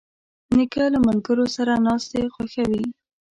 نیکه له ملګرو سره ناستې خوښوي.